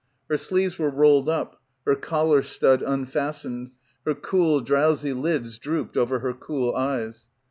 Her sleeves were rolled up, her collar stud unfastened, her cool drowsy lids drooped over her cool eyes.